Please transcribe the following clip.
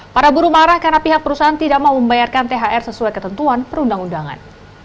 para buru marah karena pihak perusahaan tidak mau membayarkan thr sesuai ketentuan perundang undangan